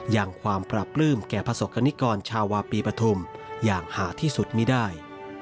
อย่างความปราบปลื้มแก่ประสบกรณิกรชาวาปีปฐุมอย่างหาที่สุดไม่ได้